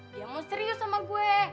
dia mau serius sama gue